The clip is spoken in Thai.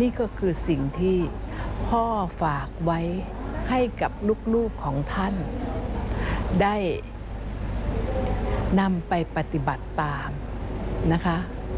นี่ก็คือสิ่งที่พ่อฝากไว้ให้กับลูกของท่านได้นำไปปฏิบัติตามนะคะ